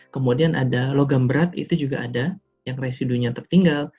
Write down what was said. kemudian ada logam berat itu juga ada yang residunya tertinggal